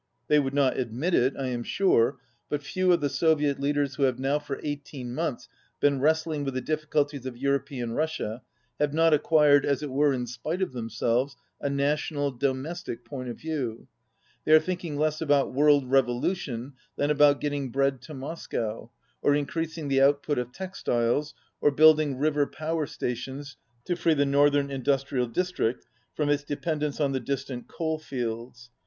They would not admit it, I am sure, but few of the Soviet leaders who have now for eighteen months been wrestling with the difRculties of European Russia have not acquired, as it were in spite of them selves, a national, domestic point of view. They are thinking less about world revolution than about getting bread to Moscow, or increasing the output of textiles, or building river power stations to free the northern industrial district from its dependence on the distant coal fields.